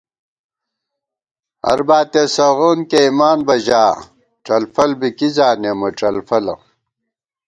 ہرباتِیَہ سغون کېئیمان بہ ژا ، ڄلفل بی کی زانېمہ ڄلفَلہ